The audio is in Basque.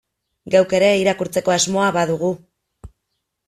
Geuk ere irakurtzeko asmoa badugu.